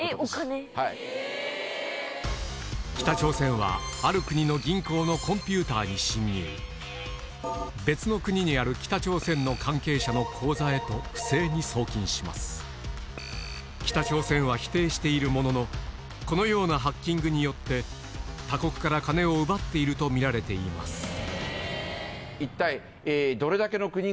北朝鮮はある国の銀行のコンピューターに侵入別の国にある北朝鮮は否定しているもののこのようなハッキングによって他国から金を奪っているとみられています一体。